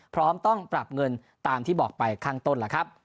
พร้อมต้องปรับเงินตามที่บอกไปข้างต้นล่ะครับ